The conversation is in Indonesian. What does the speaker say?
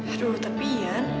aduh tapi yan